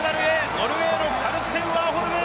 ノルウェーのカルステン・ワーホルム。